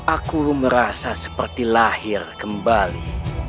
aku merasa seperti lahir kembali